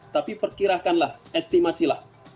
tapi perkirakanlah estimasilah